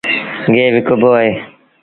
گيه وڪبو با اهي۔